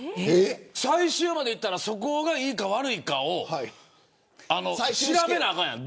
最終までいったら素行がいいか悪いかを調べないとあかんやん。